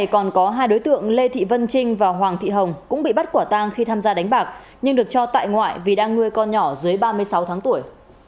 còn có hai đối tượng lê thị vân trinh và hoàng thị hồng cũng bị bắt quả tang khi tham gia đánh bạc nhưng được cho tại ngoại vì đang nuôi con nhỏ dưới ba mươi sáu tháng tuổi